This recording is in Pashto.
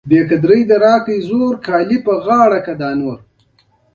له اتلس سوه اووه کال وروسته سوداګري تر ډېره ختمه شوې وه.